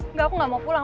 enggak aku gak mau pulang